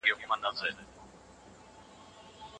ادبي مواد باید په سمه توګه تدوین شي.